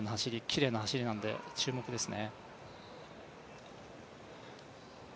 きれいな走りなので注目です。